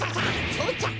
そうちゃく！